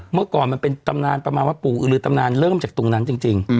เมื่อก่อนมันเป็นตำนานประมาณว่าปู่อือหรือตำนานเริ่มจากตรงนั้นจริง